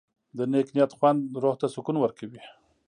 د نیک نیت خوند روح ته سکون ورکوي.